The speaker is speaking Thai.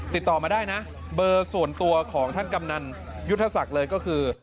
ติดต่อมาได้นะเบอร์ส่วนตัวของท่านกำนันยุทธศักดิ์เลยก็คือ